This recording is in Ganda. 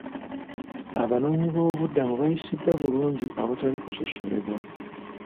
Abanoonyiboobubudamu bayisiddwa bulungi awatali kusosolebwa.